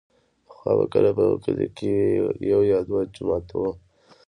پخوا به که په يوه کلي کښې يو يا دوه جوماته وو.